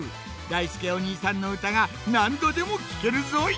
だいすけお兄さんのうたがなんどでもきけるぞい！